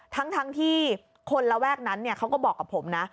ทั้งที่คนระแวกนั้นเขาก็บอกกับผมนะ